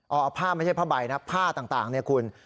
เอาผ้าไม่ใช่ผ้าใบนะผ้าต่างเนี่ยคุณ